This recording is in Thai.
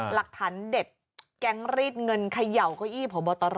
หลักฐานเด็ดแก๊งรีดเงินเขย่าเก้าอี้พบตร